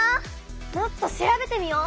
もっと調べてみよう！